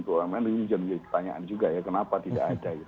bumn ini jadi pertanyaan juga ya kenapa tidak ada